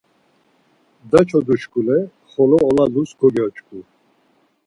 Daçodu şkule xolo olalus kogyoç̌ǩu.